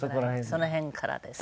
その辺からです。